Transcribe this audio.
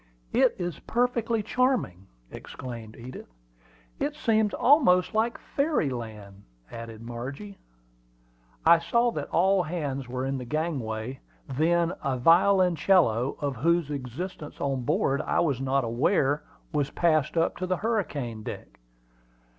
"It is perfectly charming!" exclaimed Edith. "It seems almost like fairy land!" added Margie. I saw that all hands were in the gangway; then a violoncello, of whose existence on board I was not aware, was passed up to the hurricane deck.